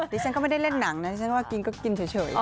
ที่ฉันไม่ได้เล่นหนังนะชิ้นก็แค่แค่กินเฉย